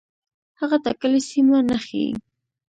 هغه ټاکلې سیمه نه ښيي.